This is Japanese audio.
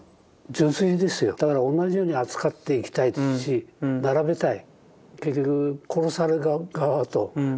だから同じように扱っていきたいし並べたい。